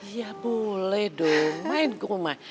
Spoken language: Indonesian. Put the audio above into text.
iya boleh dong main kerumah